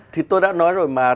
thì tôi đã nói rồi mà